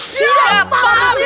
siap pak robert